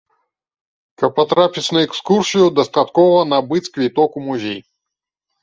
Каб патрапіць на экскурсію дастаткова набыць квіток у музей.